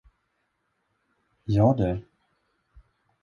Ja, du!